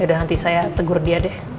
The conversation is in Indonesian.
yaudah nanti saya tegur dia deh